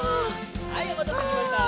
はいおまたせしました！